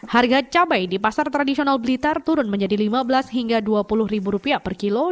harga cabai di pasar tradisional blitar turun menjadi lima belas hingga dua puluh ribu rupiah per kilo